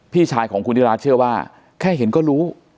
พี่ชายของคุณธิราชเชื่อว่าแค่เห็นก็รู้